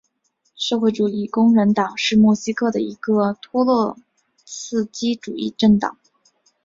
社会主义工人党是墨西哥的一个托洛茨基主义政党。